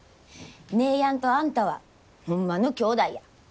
姉やんとあんたはホンマのきょうだいや。